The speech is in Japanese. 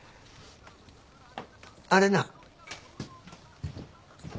あれな。